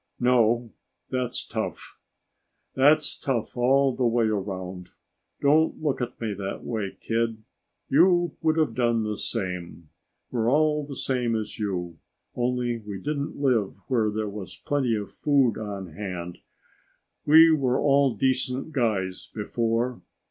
"No. That's tough. That's tough all the way around. Don't look at me that way, kid. You would have done the same. We're all the same as you, only we didn't live where there was plenty of food on hand. We were all decent guys before.